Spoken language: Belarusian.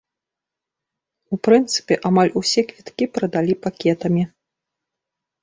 У прынцыпе, амаль усе квіткі прадалі пакетамі.